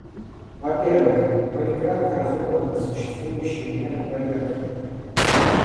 Во-первых, были кратко разобраны существующие меры проверки.